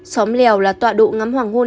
xóm lèo là tọa độ ngắm hoàng hôn